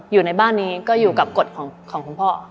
อยู่ในบ้านนี้ก็อยู่กับกฎของคุณพ่อ